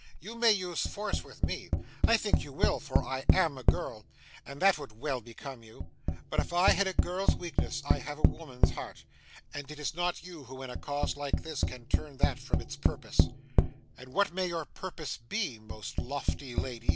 You may use force with me; I think you will, for I AM a girl, and that would well become you. But if I have a girl's weakness, I have a woman's heart, and it is not you who in a cause like this can turn that from its purpose.' 'And what may your purpose be, most lofty lady?